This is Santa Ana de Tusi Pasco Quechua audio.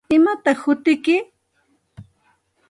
¿Imataq hutiyki?